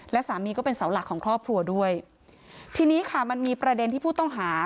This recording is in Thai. และสามีก็เป็นเสาหลักของครอบครัวด้วยทีนี้ค่ะมันมีประเด็นที่ผู้ต้องหา